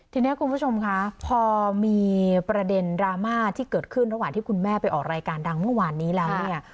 ทีนี้คุณผู้ชมคะพอมีประเด็นดราม่าที่เกิดขึ้นระหว่างที่คุณแม่ไปออกรายการดังเมื่อวานนี้แล้วเนี่ย